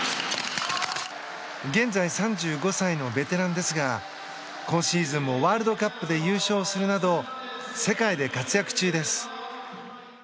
現在３５歳のベテランですが今シーズンもワールドカップで優勝するなど世界で活躍中です。